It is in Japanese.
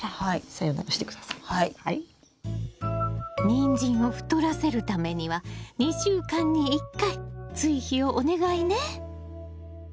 ニンジンを太らせるためには２週間に１回追肥をお願いね！